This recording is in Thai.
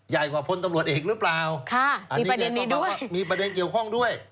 ใหญ่กว่าพลตำรวจเอกหรือเปล่าค่ะมีประเด็นนี้ด้วยมีประเด็นเกี่ยวข้องด้วย